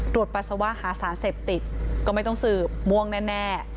ปัสสาวะหาสารเสพติดก็ไม่ต้องสืบม่วงแน่